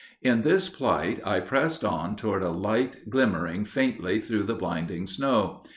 In this plight I pressed on toward a light glimmering faintly through the blinding snow.